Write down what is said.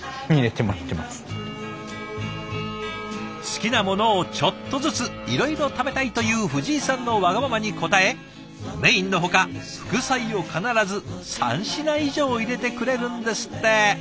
好きなものをちょっとずついろいろ食べたいという藤井さんのわがままに応えメインのほか副菜を必ず３品以上入れてくれるんですって。